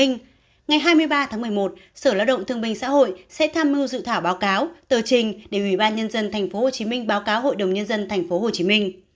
ngày hai mươi ba tháng một mươi một sở lao động thương minh xã hội sẽ tham mưu dự thảo báo cáo tờ trình để ủy ban nhân dân tp hcm báo cáo hội đồng nhân dân tp hcm